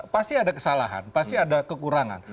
pasti ada kesalahan pasti ada kekurangan